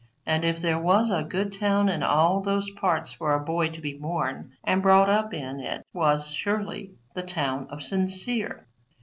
And if there was a good town in all those parts for a boy to be born and brought up in it was surely the town of Sincere.